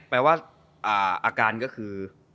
แปลว่าอาการก็คือ